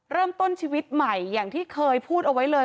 เริ่มต้นชีวิตใหม่อย่างที่เคยพูดเอาไว้เลย